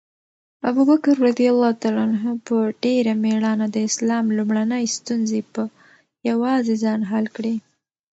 ابوبکر رض په ډېره مېړانه د اسلام لومړنۍ ستونزې په یوازې ځان حل کړې.